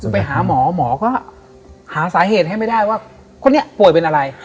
ไปหาหมอหมอก็หาสาเหตุให้ไม่ได้ว่าคนนี้ป่วยเป็นอะไร